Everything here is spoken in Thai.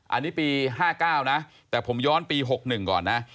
อันนี้ปี๕๙นะแต่ผมย้อนปี๖๑ก่อนนะ